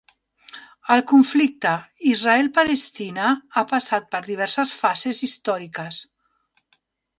El conflicte Israel-Palestina ha passat per diverses fases històriques.